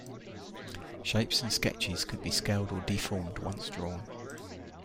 "Shapes" and "Sketches" could be scaled or deformed once drawn.